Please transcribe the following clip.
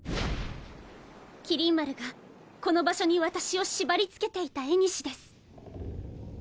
麒麟丸がこの場所に私を縛り付けていた縁です。